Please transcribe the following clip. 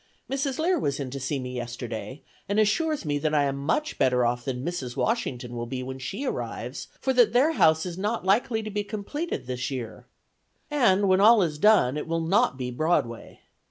Mrs. Lear was in to see me yesterday, and assures me that I am much better off than Mrs. Washington will be when she arrives, for that their house is not likely to be completed this year. And, when all is done, it will not be Broadway.